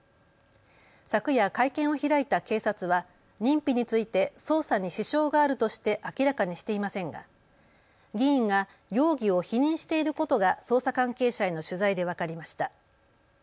昨夜、会見を開いた警察は認否について捜査に支障があるとして明らかにしていませんが議員が容疑を否認していることが捜査関係者への取材で分かりました。